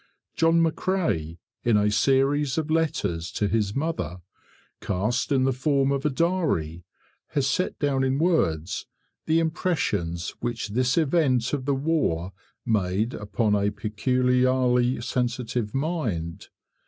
John McCrae in a series of letters to his mother, cast in the form of a diary, has set down in words the impressions which this event of the war made upon a peculiarly sensitive mind.